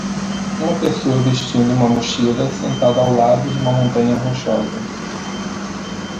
uma pessoa vestindo uma mochila sentado ao lado de uma montanha rochosa.